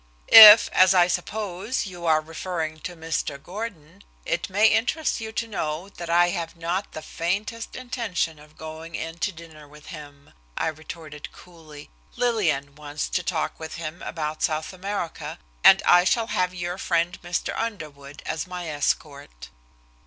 "If, as I suppose, you are referring to Mr. Gordon, it may interest you to know that I have not the faintest intention of going in to dinner with him," I retorted coolly. "Lillian wants to talk with him about South America, and I shall have your friend, Mr. Underwood, as my escort."